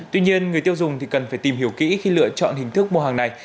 tuy nhiên người tiêu dùng cần phải tìm hiểu kỹ khi lựa chọn hình thức mua hàng này